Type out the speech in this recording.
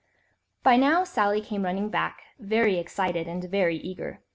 But now Sally came running back, very excited and very eager.